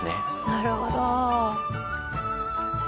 なるほど。